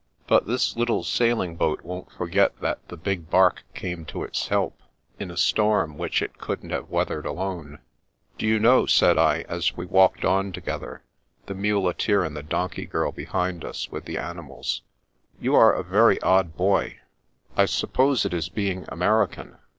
But this little sailing boat won't forget that the big bark came to its help, in a storm which it couldn't have weathered alone." "Do you know," said I, as we walked on to gether, the muleteer and the donkey girl behind us, with the animals, " you are a very odd boy. I sup pose it is being American.